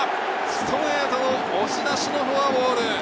ストレートの押し出しのフォアボール。